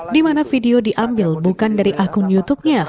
di mana video diambil bukan dari akun youtubenya